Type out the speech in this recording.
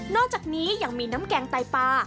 อกจากนี้ยังมีน้ำแกงไตปลา